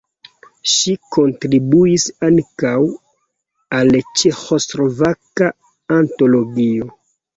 Ŝi kontribuis ankaŭ al "Ĉeĥoslovaka Antologio".